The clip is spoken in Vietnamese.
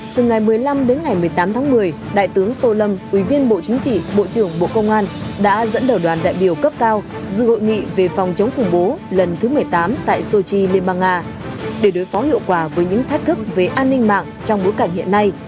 từ ngày một mươi năm đến ngày một mươi tám tháng một mươi đại tướng tô lâm ủy viên bộ chính trị bộ trưởng bộ công an đã dẫn đầu đoàn đại biểu cấp cao dự hội nghị về phòng chống khủng bố lần thứ một mươi tám tại sochi liên bang nga để đối phó hiệu quả với những thách thức về an ninh mạng trong bối cảnh hiện nay